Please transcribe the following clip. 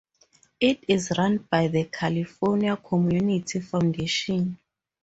It is run by the California Community Foundation.